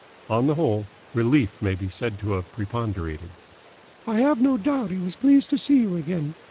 On the whole, relief may be said to have preponderated. "I have no doubt he was pleased to see you again.